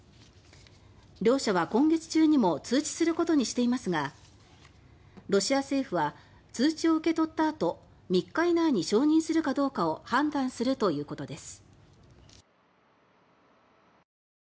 両社は今月中にも通知することにしていますがロシア政府は通知を受け取った後３日以内に承認するかどうかを判断するということです。